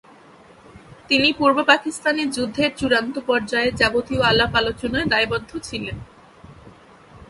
তিনি পূর্ব-পাকিস্তানে যুদ্ধের চূড়ান্ত পর্যায়ে যাবতীয় আলাপ-আলোচনায় দায়বদ্ধ ছিলেন।